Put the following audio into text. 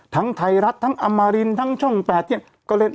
ทั้งไทยรัฐทั้งอัมมารินทั้งช่องแปดเที่ยงก็เล่น